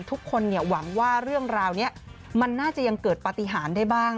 ทุกคนหวังว่าเรื่องราวนี้มันน่าจะยังเกิดปฏิหารได้บ้าง